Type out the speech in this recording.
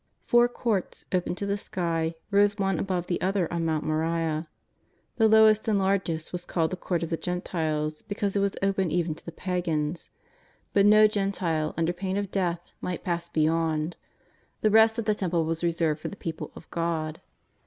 Four Courts, open to the sky, rose one above the other on Mount Moriah. The lowest and largest was called JESUS OF NAZAEETH. 73 the Court of the Gentiles, because it was open even to pagans. But no Gentile, under pain of death, might pass beyond ; the rest of the Temple was reserved for the people of God.